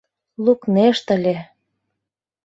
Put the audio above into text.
— Лукнешт ыле.